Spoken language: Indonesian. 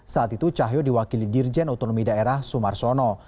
saat itu cahyo diwakili dirjen otonomi daerah sumarsono